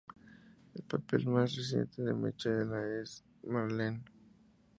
El papel más reciente de Michaela es de Marlene.